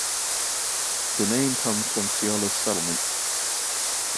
The name comes from "Ceola's settlement".